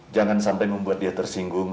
jangan sampai membuat dia tersinggung